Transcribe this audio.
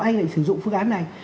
anh lại sử dụng phương án này